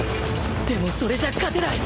でもそれじゃ勝てない